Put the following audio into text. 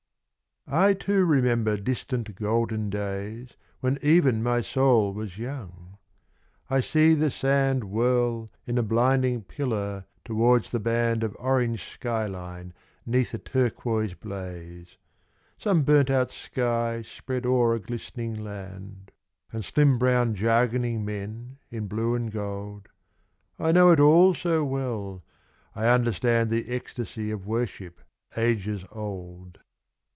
I TOO remember distant golden days When even my soul was young ; I see the sand Whirl in a blinding pillar towards the band Of orange sky line 'neath a turquoise blaze — (Some burnt out sky spread o'er a glistening land) — And slim brown jargoning men in blue and gold, I know it all so well, I understand The ecstacy of worship ages old.